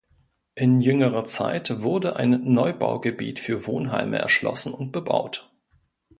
In jüngerer Zeit wurde ein Neubaugebiet für Wohnheime erschlossen und bebaut.